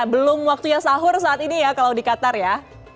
belum waktunya sahur saat ini ya kalau di qatar ya